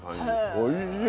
おいしい。